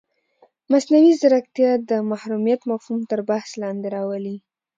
مصنوعي ځیرکتیا د محرمیت مفهوم تر بحث لاندې راولي.